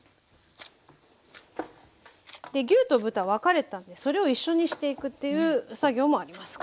で牛と豚分かれてたのでそれを一緒にしていくという作業もあります